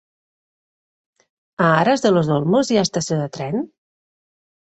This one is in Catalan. A Aras de los Olmos hi ha estació de tren?